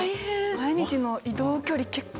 毎日の移動距離結構。